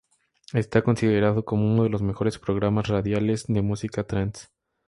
Está considerado como uno de los mejores programas radiales de música trance.